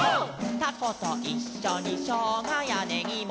「たこといっしょにしょうがやねぎも」